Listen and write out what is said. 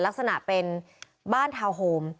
ลักษณะเป็นบ้านทาวน์โฮม